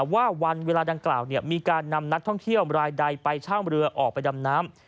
ว่าวันเวลาดังกล่าวมีการนำนักท่องเที่ยวรายใดไปช่างเรือออกไปดำน้ำ